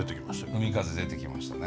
海風出てきましたね。